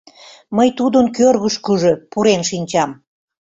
Мый тудын кӧргышкыжӧ пурен шинчам...